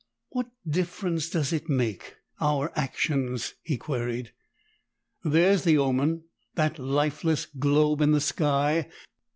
"What difference does it make our actions?" he queried. "There's the omen, that lifeless globe in the sky.